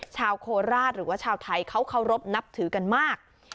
โคราชหรือว่าชาวไทยเขาเคารพนับถือกันมาก